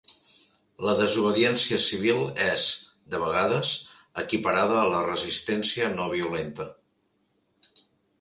La desobediència civil és, de vegades, equiparada a la resistència no violenta.